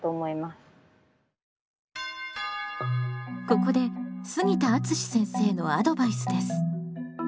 ここで杉田敦先生のアドバイスです。